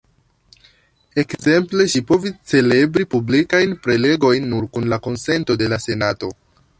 Ekzemple, ŝi povis celebri publikajn prelegojn nur kun la konsento de la Senato.